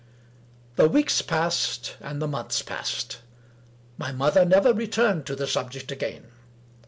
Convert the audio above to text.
The weeks passed, and the months passed. My mother never returned to the subject again.